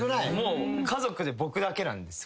家族で僕だけなんですよ